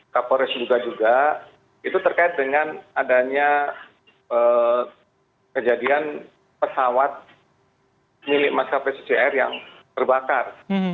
kapolres duga juga itu terkait dengan adanya kejadian pesawat milik maskapai ccr yang terbakar